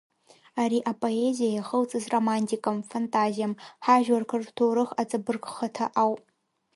Ари апоезиа иахылҵыз романтикам, фантазиам, ҳажәларқәа рҭоурых аҵабыргхаҭа ауп.